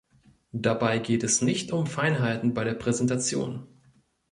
Dabei geht es nicht um Feinheiten bei der Präsentation.